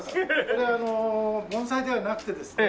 これ盆栽ではなくてですね